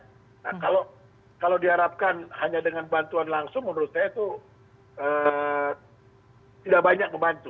nah kalau diharapkan hanya dengan bantuan langsung menurut saya itu tidak banyak membantu